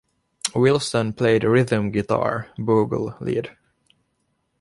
Wilson played rhythm guitar, Bogle lead.